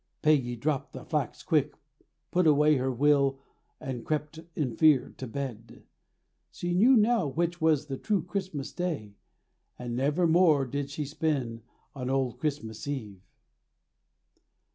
Peggy dropped the flax quick, put away her wheel, and crept in fear to bed. She knew now which was the true Christmas Day and never more did she spin on Old Christmas Eve.